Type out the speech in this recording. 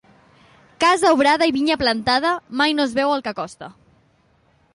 Casa obrada i vinya plantada, mai no es veu el que costa.